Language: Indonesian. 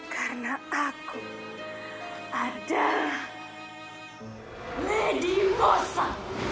karena aku adalah lady mossa